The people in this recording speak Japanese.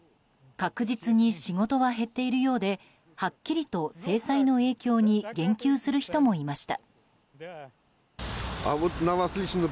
確実に仕事は減っているようではっきりと制裁の影響に言及する人もいました。